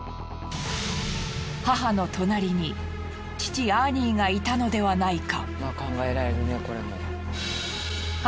母の隣に父アーニーがいたのではないか？